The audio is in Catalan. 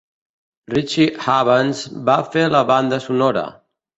Richie Havens va fer la banda sonora.